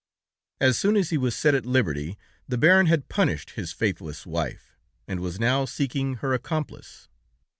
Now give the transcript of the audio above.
As soon as he was set at liberty, the baron had punished his faithless wife, and was now seeking her accomplice."